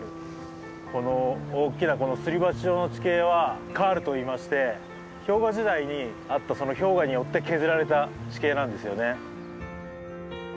この大きなすり鉢状の地形はカールといいまして氷河時代にあった氷河によって削られた地形なんですよね。